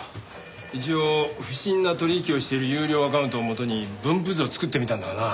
一応不審な取引をしている優良アカウントをもとに分布図を作ってみたんだがな